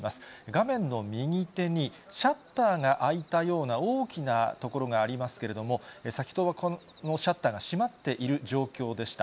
画面の右手に、シャッターが開いたような大きなところがありますけれども、先ほど、このシャッターが閉まっている状況でした。